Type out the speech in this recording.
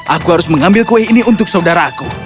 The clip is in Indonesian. aku harus mengambil kue ini untuk saudaraku